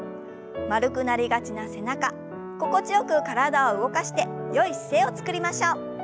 丸くなりがちな背中心地よく体を動かしてよい姿勢をつくりましょう。